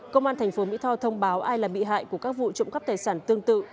công an thành phố mỹ tho thông báo ai là bị hại của các vụ trộm cắp tài sản tương tự